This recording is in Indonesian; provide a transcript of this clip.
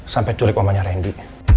sampai culik mamanya rendy